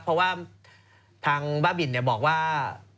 เพราะว่าทางบ้าบินบอกว่า